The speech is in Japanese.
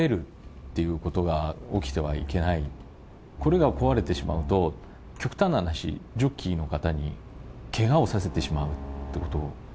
これが壊れてしまうと極端な話ジョッキーの方にケガをさせてしまうっていうこと。